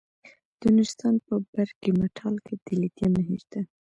د نورستان په برګ مټال کې د لیتیم نښې شته.